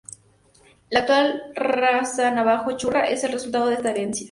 La actual raza navajo-churra es el resultado de esta herencia.